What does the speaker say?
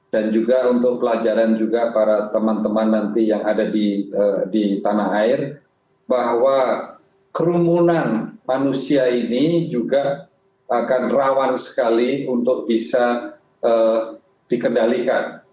dan juga untuk pelajaran juga para teman teman nanti yang ada di tanah air bahwa kerumunan manusia ini juga akan rawan sekali untuk bisa dikendalikan